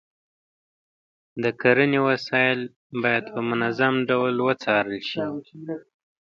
د کرنې وسایل باید په منظم ډول وڅارل شي.